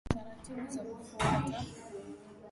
Taratibu za kufuata